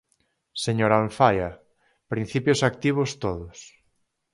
Señora Alfaia, principios activos todos.